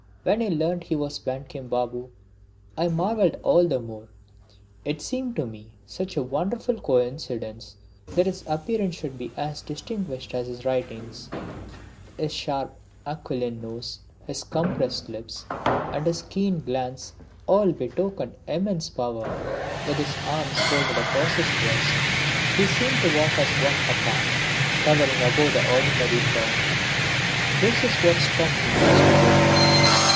When I learnt he was Bankim Babu I marvelled all the more, it seemed to me such a wonderful coincidence that his appearance should be as distinguished as his writings. His sharp aquiline nose, his compressed lips, and his keen glance all betokened immense power. With his arms folded across his breast he seemed to walk as one apart, towering above the ordinary throng this is what struck me most about him.